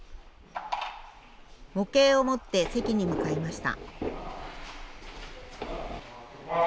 模型を持って席に向かいました。